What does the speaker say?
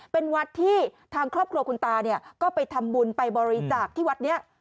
เป็นวัดที่ทางครอบครัวคุณตาเนี่ยก็ไปทำบุญไปบริจาคที่วัดนี้